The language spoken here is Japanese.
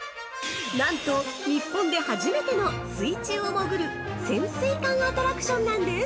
なんと、日本で初めての水中を潜る潜水艦アトラクションなんです。